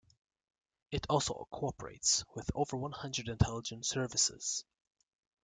It also co-operates with over one hundred intelligence services.